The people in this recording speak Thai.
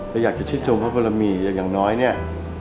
เราอยากจะชิดชมพระบรมีย์อย่างยังน้อยเนี่ย